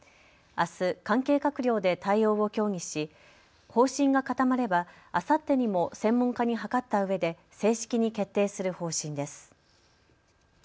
あす関係閣僚で対応を協議し方針が固まればあさってにも専門家に諮ったうえで正式に決定する方針です。